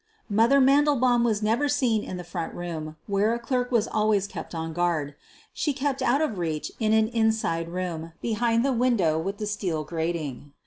"Mother" Mandelbaum was never seen in the front room, where a clerk was always kept on guard. She kept out of reach in an inside room, behind the window with the steel grating.